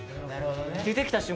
出てきた瞬間